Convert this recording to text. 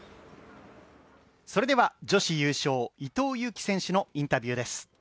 それでは女子優勝伊藤有希選手のインタビューです。